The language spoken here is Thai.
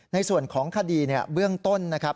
ในส่วนของคดีเบื้องต้นนะครับ